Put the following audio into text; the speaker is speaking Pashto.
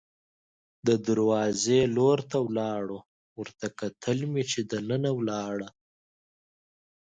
د دروازې لور ته ولاړو، ورته کتل مې چې دننه ولاړه.